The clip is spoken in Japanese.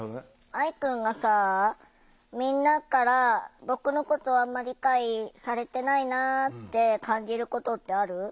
愛くんがさみんなから僕のことあんま理解されてないなって感じることってある？